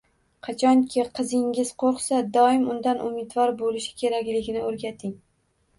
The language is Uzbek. Qachonki qizingiz qo‘rqsa, doimo Undan umidvor bo‘lishi kerakligini o'rgating.